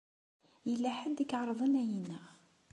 Yella ḥedd i iɛeṛḍen ad yi-ineɣ.